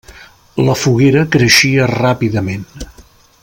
La foguera creixia ràpidament.